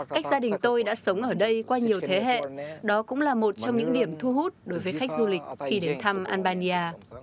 cách gia đình tôi đã sống ở đây qua nhiều thế hệ đó cũng là một trong những điểm thu hút đối với khách du lịch khi đến thăm albania